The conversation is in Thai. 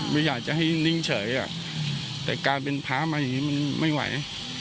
ไม่อยากจะให้นิ่งเฉยแต่การเป็นพระมาอย่างนี้มันไม่ไหว